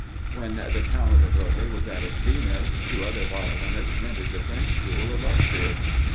When the talent of Rode was at its zenith, two other violinists rendered the French school illustrious.